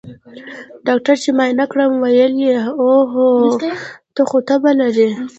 ډاکتر چې معاينه کړم ويې ويل اوهو ته خو تبه لرې.